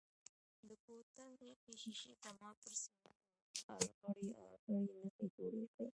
د بوتل یخې شیشې زما پر سینه ارغړۍ ارغړۍ نښې جوړې کړې.